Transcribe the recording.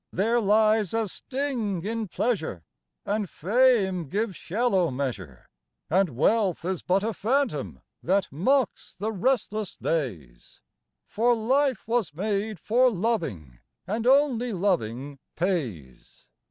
There lies a sting in pleasure, And fame gives shallow measure, And wealth is but a phantom that mocks the restless days, For life was made for loving, and only loving pays.